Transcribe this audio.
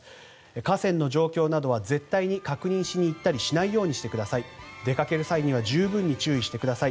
河川の状況などは絶対に確認しに行ったりしないようにしてください。